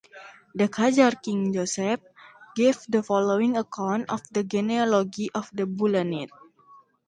The Khazar king Joseph gave the following account of the genealogy of the Bulanids.